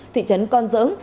thị trấn con dỡng